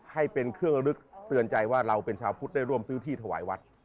ให้เป็นเครื่องระลึกเตือนใจว่าเราเป็นชาวพุทธได้ร่วมซื้อที่ถวายวัด